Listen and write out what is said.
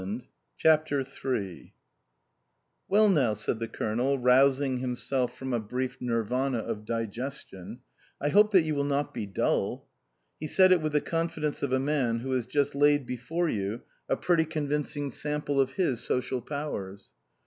23 CHAPTER III " ^1 T yTELL now," said the Colonel, rousing V V himself from a brief nirvana of diges tion, " I hope that you will not be dull." He said it with the confidence of a man who has just laid before you a pretty convincing sample of his social powers.